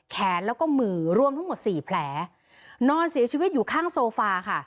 แขนแล้วก็มือรวมทั้งหมดสี่แผลนอนเสียชีวิตอยู่ข้างโซฟาค่ะ